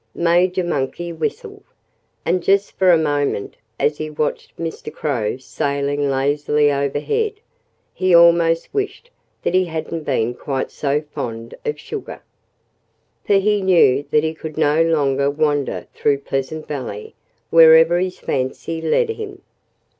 Major Monkey whistled. And just for a moment, as he watched Mr. Crow sailing lazily overhead, he almost wished that he hadn't been quite so fond of sugar. For he knew that he could no longer wander through Pleasant Valley wherever his fancy led him.